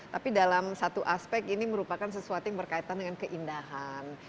tapi dalam satu aspek ini merupakan sesuatu yang berkaitan dengan keindahan